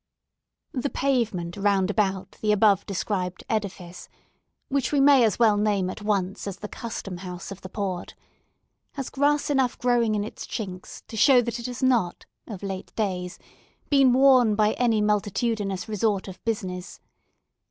The pavement round about the above described edifice—which we may as well name at once as the Custom House of the port—has grass enough growing in its chinks to show that it has not, of late days, been worn by any multitudinous resort of business.